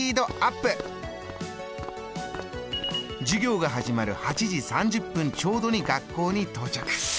授業が始まる８時３０分ちょうどに学校に到着。